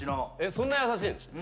そんな優しいの？